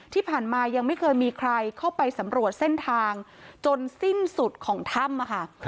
ที่ผ่านมายังไม่เคยมีใครเข้าไปสำรวจเส้นทางจนสิ้นสุดของถ้ำค่ะ